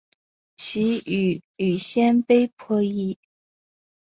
其语与鲜卑颇异。